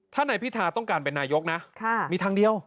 ถ้านายพิธาต้องการเป็นนายกนะมีทางเดียว